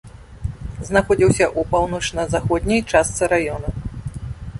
Знаходзіўся ў паўночна-заходняй частцы раёна.